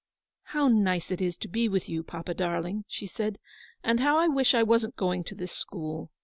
" How nice it is to be with you, papa, darling," she said, " and how I wish I wasn't going to this school.